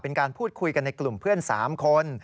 เป็นการพูดคุยกันในกลุ่มเพื่อน๓คน